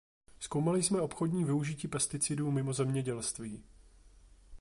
Zkoumali jsme obchodní využití pesticidů mimo zemědělství.